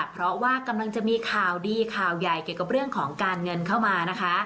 เพราะว่ากำลังจะมีข่าวดีข่าวใหญ่เกี่ยวกับเรื่องของการเงินเข้ามานะคะ